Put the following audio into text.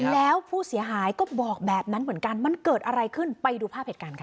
แล้วผู้เสียหายก็บอกแบบนั้นเหมือนกันมันเกิดอะไรขึ้นไปดูภาพเหตุการณ์ค่ะ